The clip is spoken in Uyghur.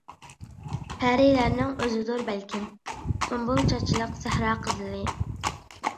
پەرىلەرنىڭ ئۆزىدۇر بەلكىم، سۇمبۇل چاچلىق سەھرا قىزلىرى.